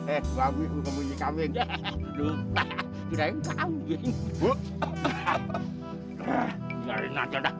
eh babi bukan bunyi kamin